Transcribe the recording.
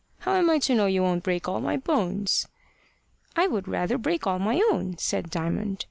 How am I to know you won't break all my bones?" "I would rather break all my own," said Diamond.